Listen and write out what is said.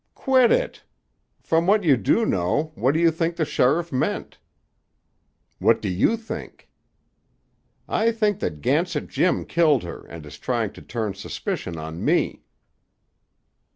"Quit it! From what you do know, what do you think the sheriff meant?" "What do you think?" "I think that Gansett Jim killed her and is trying to turn suspicion on me."